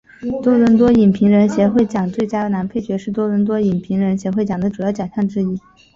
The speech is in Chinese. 多伦多影评人协会奖最佳男配角是多伦多影评人协会奖的主要奖项之一。